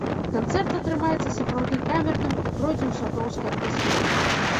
Канцэрт атрымаецца сапраўды камерным і пройдзе ў сяброўскай атмасферы.